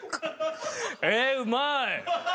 ええうまい。